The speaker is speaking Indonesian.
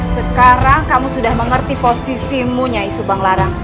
sekarang kamu sudah mengerti posisimu nyai subang larang